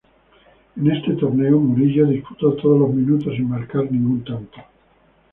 En este torneo, Murillo disputó todos los minutos sin marcar ningún tanto.